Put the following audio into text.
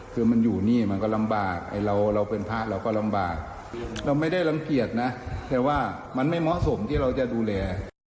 คือมันอยู่นี่มันก็ลำบากไอ้เราเป็นพระเราก็ลำบากเราไม่ได้รังเกียจนะแต่ว่ามันไม่เหมาะสมที่เราจะดูแล